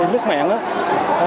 rồi nước mẹn á